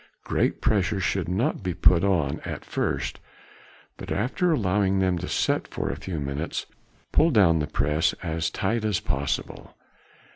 Great pressure should not be put on at first, but after allowing them to set for a few minutes, pull down the press as tight as possible.